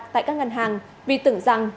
tại các ngân hàng vì tưởng rằng